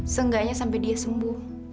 seenggaknya sampai dia sembuh